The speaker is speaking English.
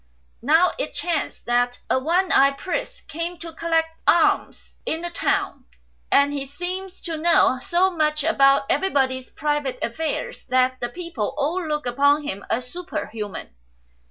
Now it chanced that a one eyed priest came to collect alms in the town, and he seemed to know so much about everybody's private affairs that the people all looked upon him as superhuman.